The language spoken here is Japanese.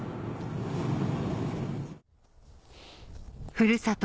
ふるさと